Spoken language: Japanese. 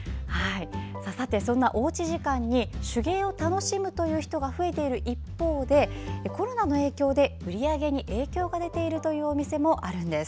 さて、おうち時間に手芸を楽しむという人が増えている一方でコロナの影響で売り上げに影響が出ているというお店もあるんです。